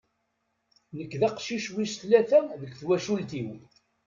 Nek d aqcic wis tlata deg twacult-iw.